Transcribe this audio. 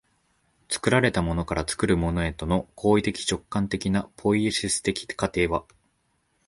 作られたものから作るものへとの行為的直観的なポイエシス的過程は